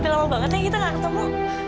udah lama banget ya kita gak ketemu